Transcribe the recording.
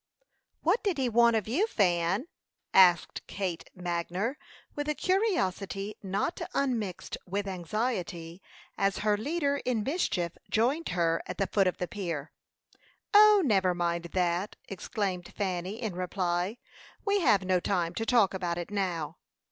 "What did he want of you, Fan?" asked Kate Magner, with a curiosity not unmixed with anxiety, as her leader in mischief joined her at the foot of the pier. "O, never mind that," exclaimed Fanny, in reply. "We have no time to talk about it now."